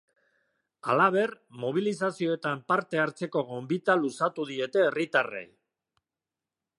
Halaber, mobilizazioetan parte hartzeko gonbita luzatu diete herritarrei.